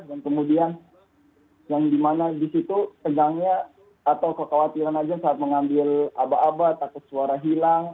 dan kemudian yang dimana disitu tegangnya atau kekhawatiran ajam saat mengambil abat abat atau suara hilang